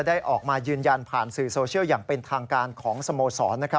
ได้ออกมายืนยันผ่านสื่อโซเชียลอย่างเป็นทางการของสโมสร